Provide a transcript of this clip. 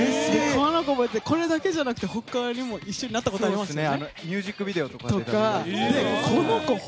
これだけじゃなくて他にも一緒になったことありますよね。